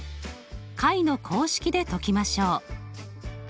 解の公式で解きましょう。